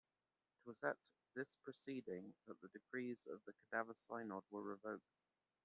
It was at this proceeding that the decrees of the Cadaver Synod were revoked.